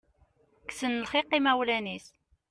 Kksen lxiq imawlan-is.